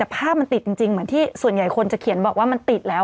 ภาพมันติดจริงเหมือนที่ส่วนใหญ่คนจะเขียนบอกว่ามันติดแล้ว